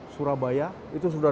surabaya itu sudah